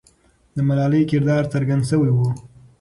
د ملالۍ کردار څرګند سوی وو.